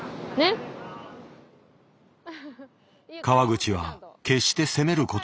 川口は決して責める